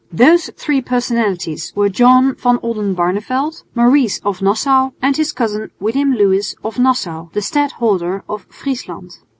Those three personalities were John van Oldenbarneveldt, Maurice of Nassau and his cousin William Lewis of Nassau, the Stadholder of Friesland.